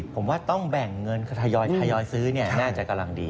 ผมว่าต้องแบ่งเงินทยอยซื้อน่าจะกำลังดี